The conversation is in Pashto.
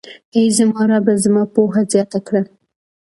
اې زما ربه، زما پوهه زياته کړه.